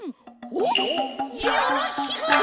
おっよろしく！